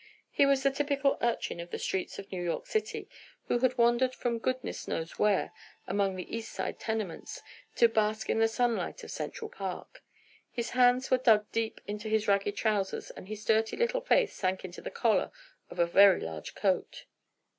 He was the typical urchin of the streets of New York City, who had wandered from goodness knows where among the East side tenements, to bask in the sunlight of Central Park. His hands were dug deep into his ragged trousers, and his dirty little face sank into the collar of a very large coat.